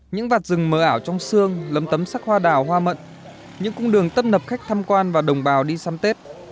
những vạt rừng mờ ảo trong xương lấm tấm sắc hoa đào hoa mận những cung đường tâm nập khách tham quan và đồng bào đi xăm tết